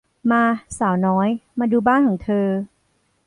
มา สาวน้อย มาดูบ้านของเธอ